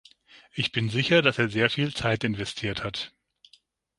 Ich bin sicher, dass er sehr viel Zeit investiert hat.